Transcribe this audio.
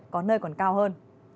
có nơi còn cao hơn